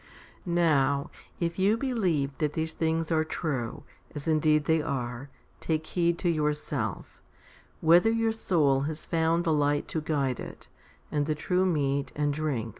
* Now if you believe that these things are true, as indeed they are, take heed to yourself, whether your soul has found the light to guide it, and the true meat and drink, which is 1 Is.